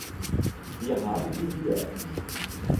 Wir haben sie hier.